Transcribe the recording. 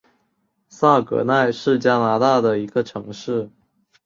萨格奈是加拿大的一个城市。